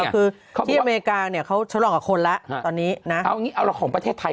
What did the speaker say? คือเค้าขี่อเมกานีเขากำลังของคนละตอนนี้นะเอาอย่างนี้เอาของประเทศไทย